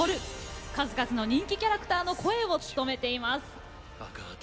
数々の人気キャラクターの声を務めています。